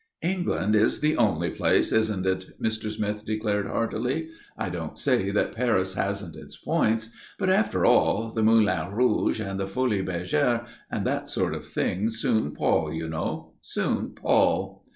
"England is the only place, isn't it?" Mr. Smith declared, heartily. "I don't say that Paris hasn't its points. But after all the Moulin Rouge and the Folies Bergères and that sort of thing soon pall, you know soon pall."